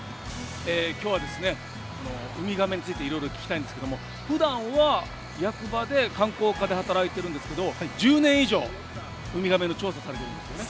今日はウミガメについていろいろ聞きたいんですけれどもふだんは役場で観光課で働いてるんですけど１０年以上、ウミガメの調査されてるんですよね。